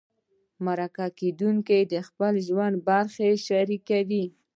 مرکه کېدونکی د خپل ژوند برخې شریکوي.